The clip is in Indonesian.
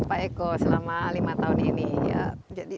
pak eko selama lima tahun ini